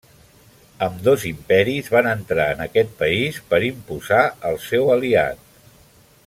Ambdós imperis van entrar en aquest país per imposar el seu aliat.